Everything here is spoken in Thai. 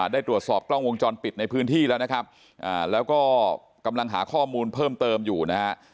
ได้ตรวจสอบกล้องวงจรปิดในพื้นที่แล้วนะครับแล้วก็กำลังหาข้อมูลเพิ่มเติมอยู่นะฮะ